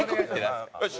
よし！